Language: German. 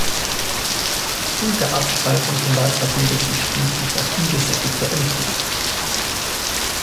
Unter Abspaltung von Wasser bildet sich schließlich das ungesättigte Endprodukt.